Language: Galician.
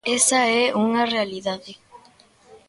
Esa é unha realidade.